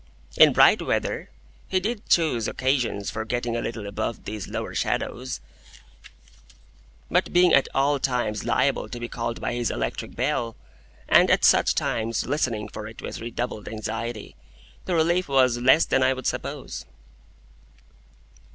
In bright weather, he did choose occasions for getting a little above these lower shadows; but, being at all times liable to be called by his electric bell, and at such times listening for it with redoubled anxiety, the relief was less than I would suppose.